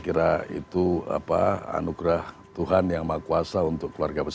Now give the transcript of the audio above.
setelah mempertahankan untuk livreschool dan pejuang untuk keluarga besar